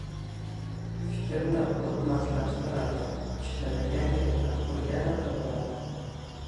fikrni o‘tmaslashtiradi, kishini yangiliklar quliga aylantirib qo‘yadi.